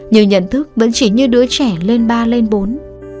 nhưng nhận thức vẫn chỉ như đứa trẻ lên ba lên bốn